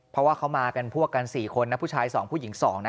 เพราะว่าเขามากันพวกกัน๔คนนะผู้ชาย๒ผู้หญิง๒นะ